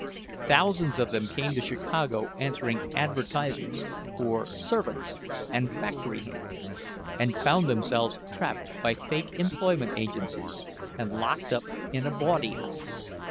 Thousands of them came to Chicago answering advertisements for "servants" and "factory hands," and found themselves trapped by fake employment agencies, and locked up in a bawdy house.